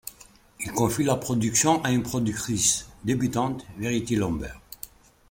Il confie la production à une productrice débutante, Verity Lambert.